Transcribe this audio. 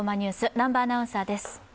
南波アナウンサーです。